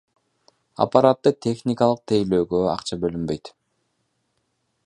Аппаратты техникалык тейлөөгө акча бөлүнбөйт.